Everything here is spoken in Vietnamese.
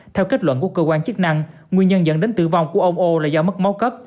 theo kết luận của cơ quan chức năng nguyên nhân dẫn đến tử vong của ông o là do mất máu cấp